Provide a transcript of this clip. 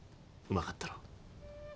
うまかったろ？